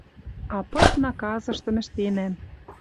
А пыт наказыштым ӹштенӓм.